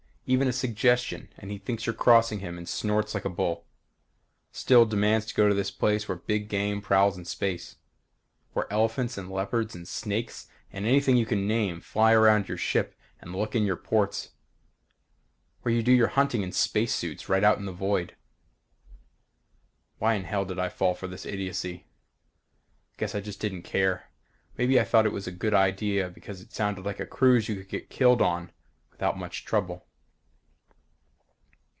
Even a suggestion and he thinks you're crossing him and snorts like a bull. Still demands to go to this place where big game prowls in space. Where elephants and leopards and snakes and anything you can name fly around your ship and look in your ports. Where you do your hunting in space suits right out in the void. Why in hell did I fall for this idiocy? Guess I just didn't care. Maybe I thought it was a good idea because it sounded like a cruise you could get killed on without much trouble.